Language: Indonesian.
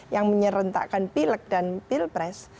yang menyerentakkan pilek dan pilpres